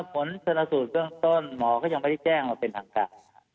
ผลชนสูตรเบื้องต้นหมอก็ยังไม่ได้แจ้งมาเป็นทางการ